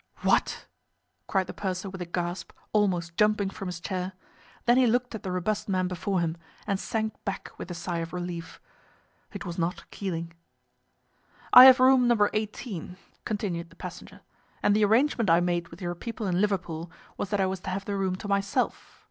"What!" cried the purser, with a gasp, almost jumping from his chair. Then he looked at the robust man before him, and sank back with a sigh of relief. It was not Keeling. "I have room No. 18," continued the passenger, "and the arrangement I made with your people in Liverpool was that I was to have the room to myself.